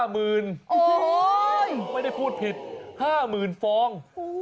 ไม่ได้พูดผิด๕๐๐๐๐ฟอง